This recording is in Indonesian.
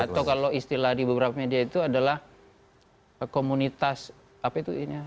atau kalau istilah di beberapa media itu adalah komunitas apa itu ini